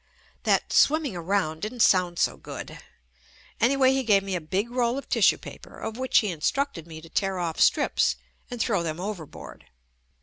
That "swimming around" didn't sound JUST ME so good. Anyway, he gave me a big roll of tis sue paper, of which he instructed me to tear off strips and throw them overboard.